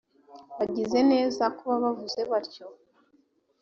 bagize neza kuba bavuze batyo!